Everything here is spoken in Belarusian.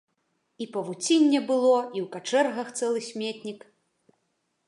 І павуцінне было, і ў качэргах цэлы сметнік.